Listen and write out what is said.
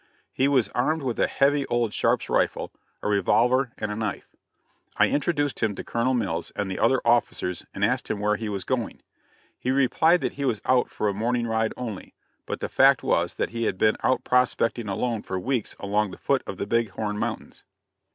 He was armed with a heavy old Sharpe's rifle, a revolver and a knife. I introduced him to Colonel Mills and the other officers and asked him where he was going. He replied that he was out for a morning ride only; but the fact was that he had been out prospecting alone for weeks along the foot of the Big Horn mountains.